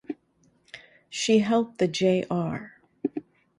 She helped the Jr.